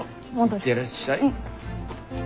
行ってらっしゃい。